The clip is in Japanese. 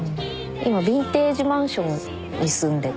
今ビンテージマンションに住んでて。